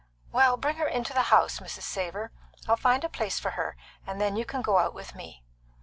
Well, bring her into the house, Mrs. Savor; I'll find a place for her, and then you can go out with me."